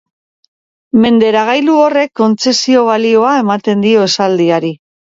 Menderagailu horrek kontzesio-balioa ematen dio esaldiari.